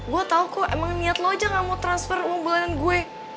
gue tau kok emang niat lo aja gak mau transfer unggulan gue